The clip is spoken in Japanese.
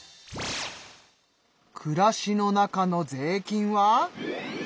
暮らしの中の税金は。